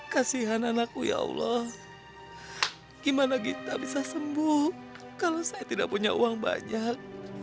kasihan anakku ya allah gimana gita bisa sembuh kalau saya tidak punya uang banyak